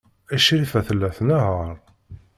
Crifa tella tnehheṛ.